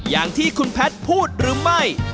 อย่างที่คุณแพทย์พูดหรือไม่